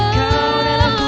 kuyakin kau tahu